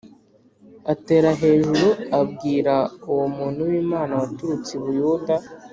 Atera hejuru abwira uwo muntu w’Imana waturutse i Buyuda